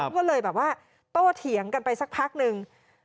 แล้วก็เลยโตเถียงกันไปสักพักนึง